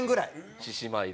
獅子舞で。